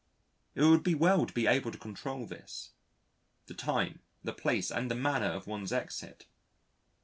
It would be well to be able to control this: the time, the place, and the manner of one's exit.